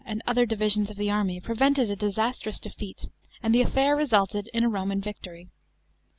401 and the other divisions of the army prevented a disastrous defeat, and the affair resulted in a Koman victory.